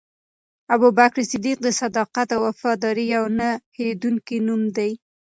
ابوبکر صدیق د صداقت او وفادارۍ یو نه هېرېدونکی نوم دی.